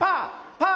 パー！